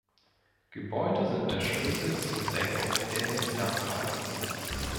Gebäude sind der Schlüssel zur Senkung der Energienachfrage.